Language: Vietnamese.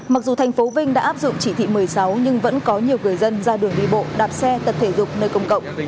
mặc dù thành phố vinh đã áp dụng chỉ thị một mươi sáu nhưng vẫn có nhiều người dân ra đường đi bộ đạp xe tập thể dục nơi công cộng